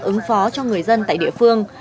ứng phó cho người dân tại địa phương